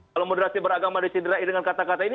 kalau moderasi beragama disiderai dengan kata kata ini